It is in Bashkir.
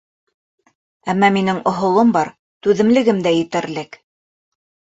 Әммә минең оһолом бар, түҙемлегем дә етерлек.